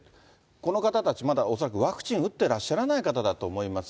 この方たち、まだ恐らくワクチン打ってらっしゃらない方だと思います。